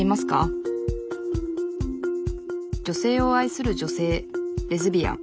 女性を愛する女性レズビアン。